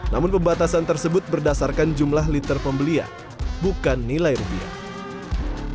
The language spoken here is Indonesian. namun pembatasan tersebut berdasarkan jumlah liter pembelian bukan nilai rupiah